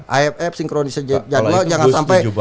aff sinkronisasi jadwal jangan sampai